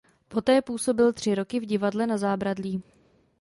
Poté působil tři roky v Divadle Na zábradlí.